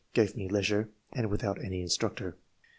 gave me leisure^ and without any instructor.